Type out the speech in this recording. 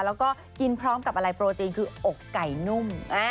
แล้วก็กินพร้อมกับอะไรโปรตีนคืออกไก่นุ่ม